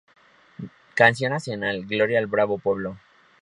Canción Nacional: Gloria al Bravo Pueblo.